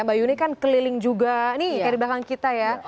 mbak yuni kan keliling juga nih dari belakang kita ya